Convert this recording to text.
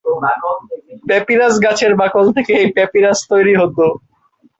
Papyrus গাছের বাকল থেকে এই প্যাপিরাস তৈরি হত।